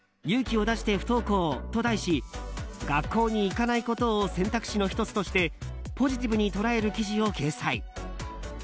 勇気を出して不登校と題し学校に行かないことを選択肢の１つとしてポジティブに捉える記事を掲載。